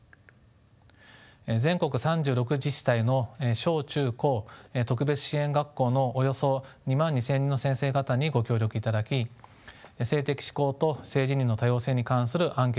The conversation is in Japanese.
全国３６自治体の小中高特別支援学校のおよそ２万２，０００人の先生方にご協力いただき性的指向と性自認の多様性に関するアンケートを実施しました。